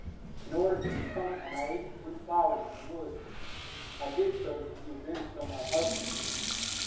In order to become one I ate the blue flowers in the wood. I did so to be avenged on my husband."